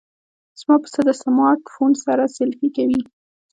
زما پسه د سمارټ فون سره سیلفي کوي.